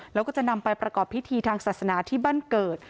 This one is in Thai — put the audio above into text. แล้วก็จะนำไปประกอบพิธีทางศาสนาที่บ้านเกิด